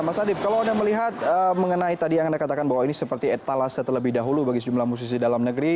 mas adip kalau anda melihat mengenai tadi yang anda katakan bahwa ini seperti etalase terlebih dahulu bagi sejumlah musisi dalam negeri